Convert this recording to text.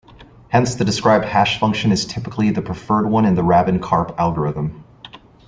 Hence the described hash function is typically the preferred one in the Rabin-Karp algorithm.